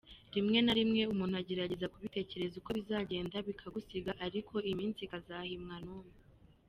Rimwe na rimwe umuntu agerageza kubitekereza uko bizagenda bikagusiga ariko iminsi ikazahimwa n' umwe.